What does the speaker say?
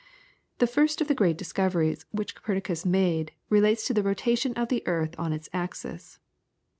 The first of the great discoveries which Copernicus made relates to the rotation of the earth on its axis.